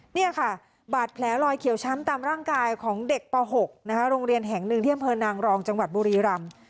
นี่ค่ะบาดแผลลอยเขียวช้ำตามร่างกายของเด็กป๖โรงเรียนแห่งหนึ่งที่อำเภอนางรองจังหวัดบุรีรำ